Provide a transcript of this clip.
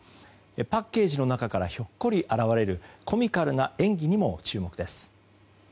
パッケージの中からひょっこり現れるコミカルな演技にも注目です。